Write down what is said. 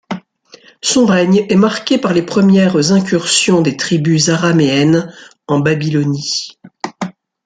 Son règne est marquée par les premières incursions des tribus araméennes en Babylonie.